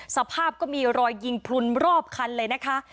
สภาพก็มีรอยยิงพลุนรอบคันเลยนะคะ